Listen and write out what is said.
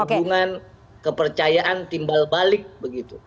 hubungan kepercayaan timbal balik begitu